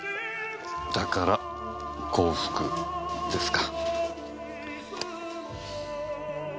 だから「幸福」ですか。